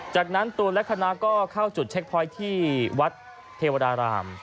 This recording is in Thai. จากนั้นตูนและคณะก็เข้าจุดเช็คพอยต์ที่วัดเทวดาราม